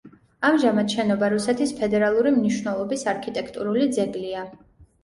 ამჟამად შენობა რუსეთის ფედერალური მნიშვნელობის არქიტექტურული ძეგლია.